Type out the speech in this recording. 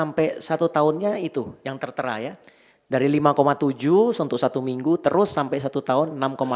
sampai satu tahunnya itu yang tertera ya dari lima tujuh untuk satu minggu terus sampai satu tahun enam tujuh